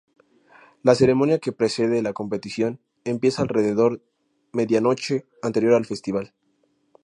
La ceremonia que precede la competición empieza alrededor medianoche anterior al festival.